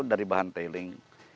dari bahan tailing